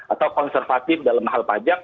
atau konservatif dalam hal pajak